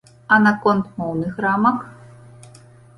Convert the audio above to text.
А наконт моўных рамак.